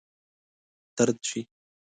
طرد شي.